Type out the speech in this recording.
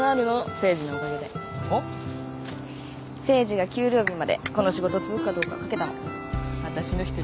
誠治が給料日までこの仕事続くかどうか賭けたの。